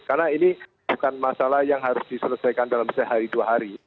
karena ini bukan masalah yang harus diselesaikan dalam sehari dua hari